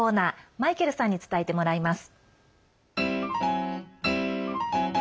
マイケルさんに伝えてもらいます。